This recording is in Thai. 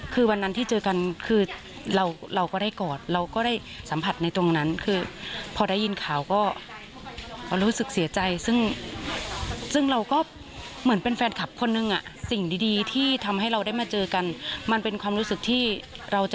ค่ะขณะที่คุณไอด์อาธิชนันนะคะ